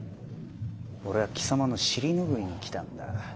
俺は貴様の尻拭いに来たんだ。